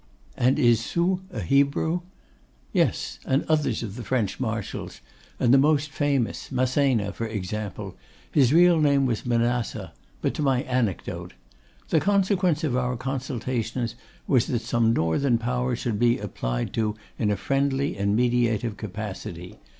'And is Soult a Hebrew?' 'Yes, and others of the French marshals, and the most famous; Massena, for example; his real name was Manasseh: but to my anecdote. The consequence of our consultations was, that some Northern power should be applied to in a friendly and mediative capacity.